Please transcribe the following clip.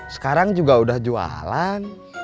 sekarang juga udah jualan